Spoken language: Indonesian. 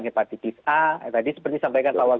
hepatitis a tadi seperti disampaikan pak wawan